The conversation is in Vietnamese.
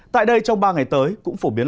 tại đây trong ba ngày tới cũng phổ biến